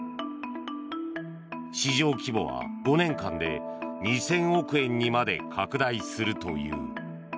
市場規模は５年間で２０００億円にまで拡大するという。